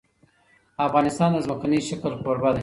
افغانستان د ځمکنی شکل کوربه دی.